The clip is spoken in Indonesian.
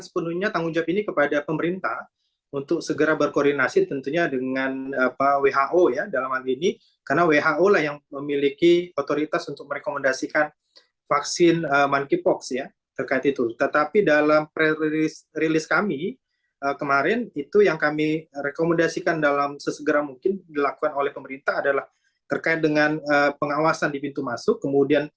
sebagai pengujian sampel bagi kategori suspek